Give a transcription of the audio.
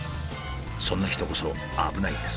そんな人こそ危ないんです。